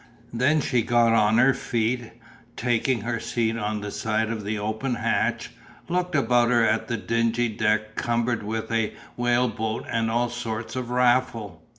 Then she got on her feet and, taking her seat on the side of the open hatch, looked about her at the dingy deck cumbered with a whale boat and all sorts of raffle.